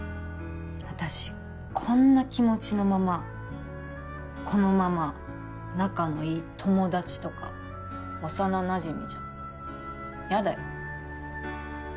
私こんな気持ちのままこのまま仲のいい友達とか幼なじみじゃやだよ